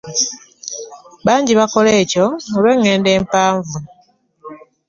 Bangi bakola ekyo olw'eŋŋendo empanvu.